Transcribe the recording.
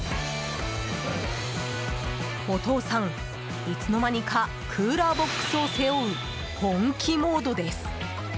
お父さん、いつの間にかクーラーボックスを背負う本気モードです。